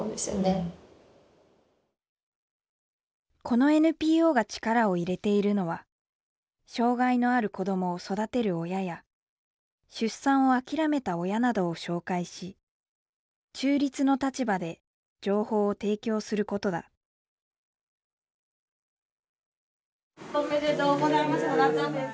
このＮＰＯが力を入れているのは障害のある子どもを育てる親や出産を諦めた親などを紹介し中立の立場で情報を提供することだおめでとうございます。